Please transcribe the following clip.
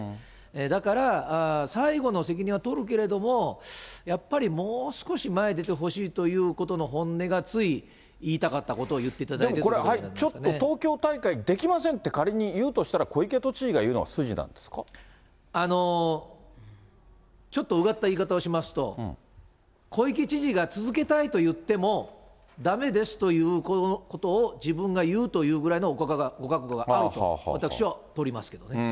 だから、最後の責任は取るけれども、やっぱりもう少し前出てほしいということの本音がつい、言いたかったことを言っていただいてということになるのではないでもちょっと、東京大会できませんって仮に言うとしたら、小池都知事が言うのが筋なんですかちょっとうがった言い方をしますと、小池知事が続けたいと言っても、だめですということを自分が言うというぐらいのご覚悟があると、私は取りますけどね。